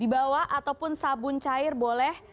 di bawah ataupun sabun cair boleh